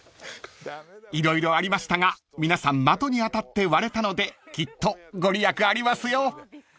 ［色々ありましたが皆さん的に当たって割れたのできっと御利益ありますよ］